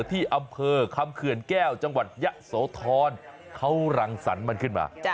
ที่อำเภอคำเขื่อนแก้วจังหวัดยะโสธรเขารังสรรค์มันขึ้นมา